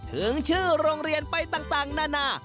ถึงชื่อโรงเรียนไปต่างนานา